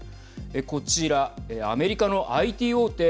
こちら、アメリカのＩＴ大手